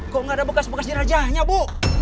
kok gak ada bekas bekas dirajahnya bu